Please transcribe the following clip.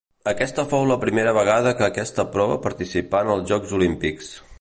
Aquesta fou la primera vegada que aquesta prova participà en els Jocs Olímpics.